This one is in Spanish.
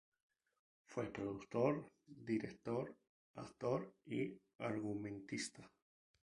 Fue productor, director, actor y argumentista.